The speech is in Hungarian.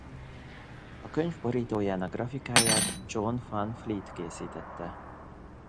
A könyv borítójának grafikáját John Van Fleet készítette.